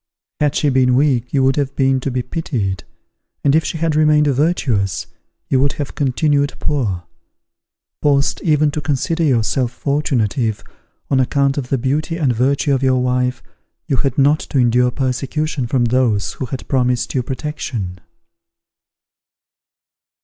Had she been weak you would have been to be pitied; and if she had remained virtuous, you would have continued poor: forced even to consider yourself fortunate if, on account of the beauty and virtue of your wife, you had not to endure persecution from those who had promised you protection.